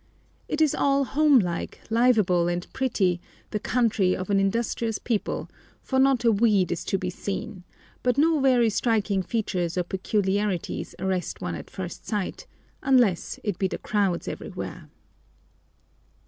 It is all homelike, liveable, and pretty, the country of an industrious people, for not a weed is to be seen, but no very striking features or peculiarities arrest one at first sight, unless it be the crowds everywhere.